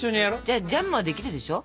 じゃあジャムはできるでしょ。